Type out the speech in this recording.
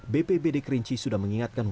bpbd kerinci sudah mengingatkan